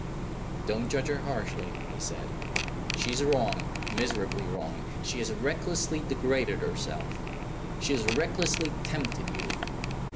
"Don't judge her harshly," he said. "She is wrong, miserably wrong. She has recklessly degraded herself; she has recklessly tempted you.